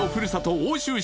奥州市